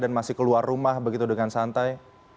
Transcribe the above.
dan masih keluar rumah begitu dengan santai